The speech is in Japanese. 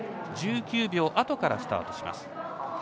１９秒あとからスタートします。